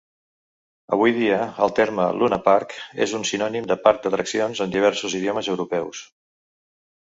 Avui dia, el terme "Lunapark" és un sinònim de "parc d'atraccions" en diversos idiomes europeus.